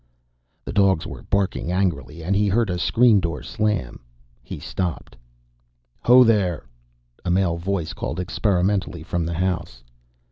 The dogs were barking angrily, and he heard a screen door slam. He stopped. "Ho there!" a male voice called experimentally from the house.